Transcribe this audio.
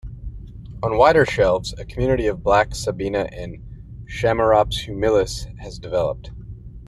On wider shelves, a community of Black Sabina and "Chamaerops humilis" has developed.